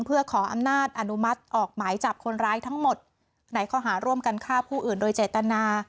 เพื่อขออำนาจอนุมัติออกหมายจับคนร้ายทั้งหมดในข้อหาร่วมกันฆ่าผู้อื่นโดยเจตนา